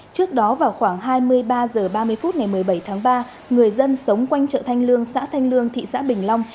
trước đó vào khoảng hai mươi ba h ba mươi phút ngày một mươi bảy tháng ba người dân sống quanh chợ thanh lương xã thanh lương thị xã bình long